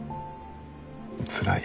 つらい。